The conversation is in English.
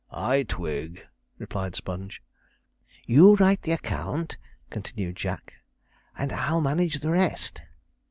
'I twig,' replied Sponge. 'You write the account,' continued Jack, 'and I'll manage the rest.'